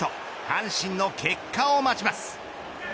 阪神の結果を待ちます。